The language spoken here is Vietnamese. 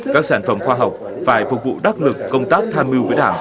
các sản phẩm khoa học phải phục vụ đắc lực công tác tham mưu với đảng